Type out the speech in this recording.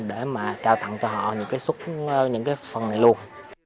để mà trao tặng cho họ những cái phần này luôn